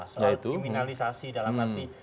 soal kriminalisasi dalam arti